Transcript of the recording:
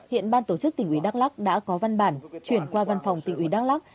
hiện ban tổ chức tỉnh ủy đắk lắc đã có văn bản chuyển qua văn phòng tỉnh ủy đắk lắc